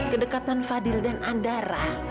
kedekatan fadil dan andara